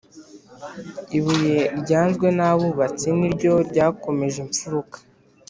Ibuye ryanzwe nabubatsi niryo ryakomeje imfuruka